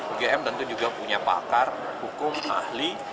ugm tentu juga punya pakar hukum ahli